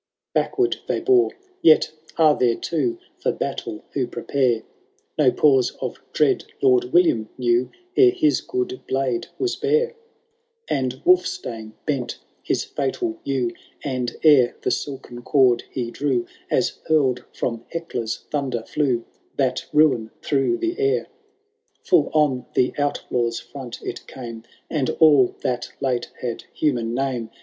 XV. Backward they bore v— y«t are there two For battle who prepare : No pause of dread Lord William knew Ere his good blade was bare ! And Wulfttane bent his &tal yew, And ere the silken cord he drew. As hurrd from Hecla's thunder, flew That ruin through the air ! Full on the outlaw^s front it came, And all that late had human name.